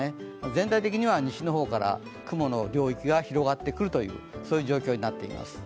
全体的には西の方から雲の領域が広がってくるという状況になっています。